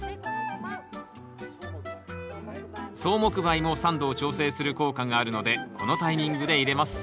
草木灰も酸度を調整する効果があるのでこのタイミングで入れます。